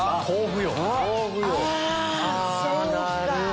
あそうか！